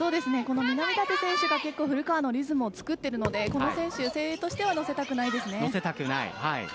南舘選手が古川のリズムを作っているのでこの選手、誠英としては乗せたくないですね。